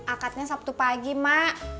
akadnya sabtu pagi mak